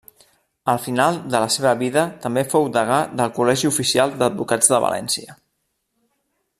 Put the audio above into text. Al final de la seva vida també fou degà del Col·legi Oficial d'Advocats de València.